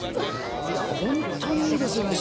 いや本当にいいですよね